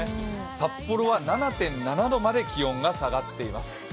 札幌は７．７度まで気温が下がっています。